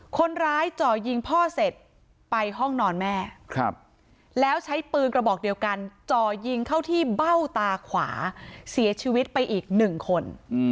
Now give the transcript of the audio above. จ่อยิงพ่อเสร็จไปห้องนอนแม่แล้วใช้ปืนกระบอกเดียวกันจ่อยิงเข้าที่เบ้าตาขวาเสียชีวิตไปอีกหนึ่งคน